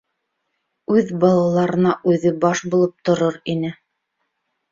Үҙ балаларына үҙе баш булып торор ине.